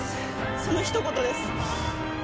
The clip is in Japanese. そのひと言です。